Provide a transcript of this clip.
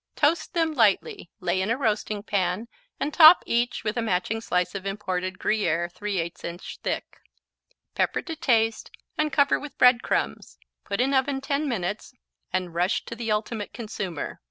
Toast them lightly, lay in a roasting pan and top each with a matching slice of imported Gruyère 3/8 inch thick. Pepper to taste and cover with bread crumbs. Put in oven 10 minutes and rush to the ultimate consumer.